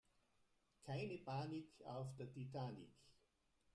Keine Panik auf der Titanic